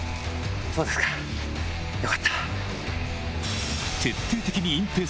そうですかよかった。